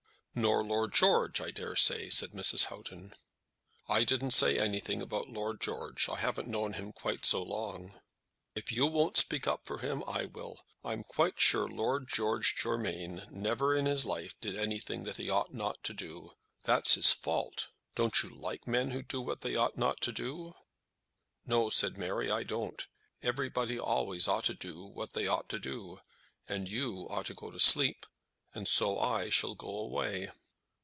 "Nor Lord George, I dare say," said Mrs. Houghton. "I don't say anything about Lord George. I haven't known him quite so long." "If you won't speak up for him, I will. I'm quite sure Lord George Germain never in his life did anything that he ought not to do. That's his fault. Don't you like men who do what they ought not to do?" "No," said Mary, "I don't. Everybody always ought to do what they ought to do. And you ought to go to sleep, and so I shall go away."